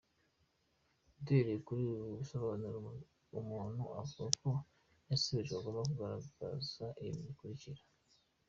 Duhereye kuri ibi bisobanuro, umuntu uvuga ko yasebejwe agomba kugaragaza ibi bikurikira :.